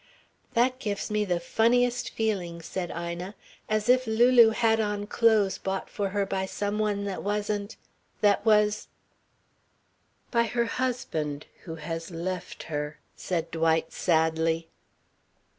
"That gives me the funniest feeling," said Ina, "as if Lulu had on clothes bought for her by some one that wasn't that was " "By her husband who has left her," said Dwight sadly.